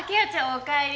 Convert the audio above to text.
お帰り